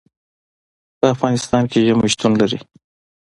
په افغانستان کې ژمی شتون لري.